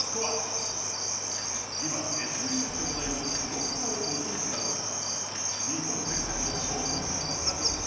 本日の今ＳＮＳで話題のこの男をご存じだろうか？